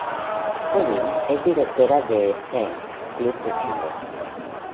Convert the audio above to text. Pauline es Directora de Pen Club de Chile.